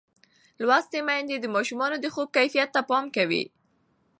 لوستې میندې د ماشومانو د خوب کیفیت ته پام کوي.